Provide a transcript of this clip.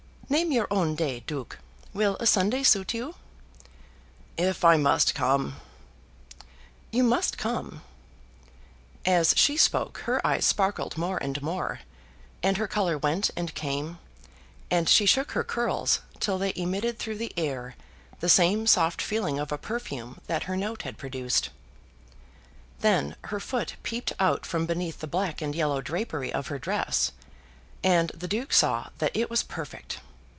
"Name your own day, Duke. Will a Sunday suit you?" "If I must come " "You must come." As she spoke her eyes sparkled more and more, and her colour went and came, and she shook her curls till they emitted through the air the same soft feeling of a perfume that her note had produced. Then her foot peeped out from beneath the black and yellow drapery of her dress, and the Duke saw that it was perfect.